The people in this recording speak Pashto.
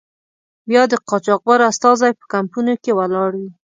بیا د قاچاقبر استازی په کمپونو کې ولاړ وي.